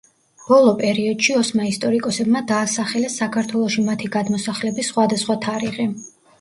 ბოლო პერიოდში ოსმა ისტორიკოსებმა დაასახელეს საქართველოში მათი გადმოსახლების სხვადასხვა თარიღი.